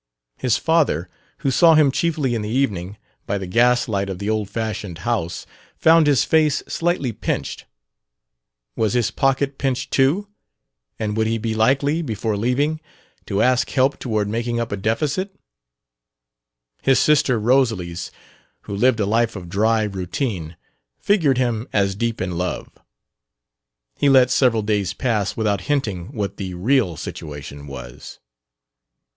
His father, who saw him chiefly in the evening, by the gas light of the old fashioned house, found his face slightly pinched: was his pocket pinched too, and would he be likely, before leaving, to ask help toward making up a deficit? His sister Rosalys, who lived a life of dry routine, figured him as deep in love. He let several days pass without hinting what the real situation was.